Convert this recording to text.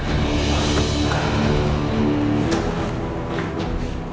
kamu tuh ngerusak rencana saya